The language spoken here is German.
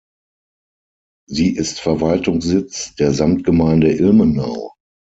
Sie ist Verwaltungssitz der Samtgemeinde Ilmenau.